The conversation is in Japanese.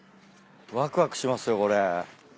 わくわくしますよこれ。